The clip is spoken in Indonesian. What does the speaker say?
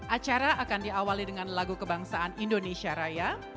acara akan diawali dengan lagu kebangsaan indonesia raya